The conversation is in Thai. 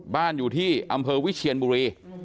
บ้านอยู่ที่อำเภอวิเชียนบุรี